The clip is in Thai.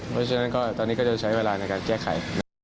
เพราะฉะนั้นก็ตอนนี้ก็จะใช้เวลาในการแก้ไขนะครับ